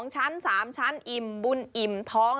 ชั้น๓ชั้นอิ่มบุญอิ่มท้อง